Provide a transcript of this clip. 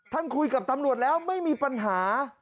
คุยกับตำรวจแล้วไม่มีปัญหา